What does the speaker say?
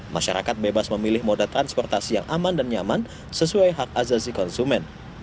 masyarakat bebas memilih moda transportasi yang aman dan nyaman sesuai hak azasi konsumen